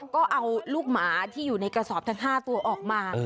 ก็เอาลูกหมาที่อยู่ในกระสอบทั้ง๕ตัวออกมา